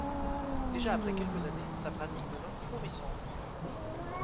Déjà après quelques années, sa pratique devint florissante.